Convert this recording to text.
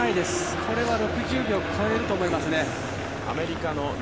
これは６０秒超えると思います。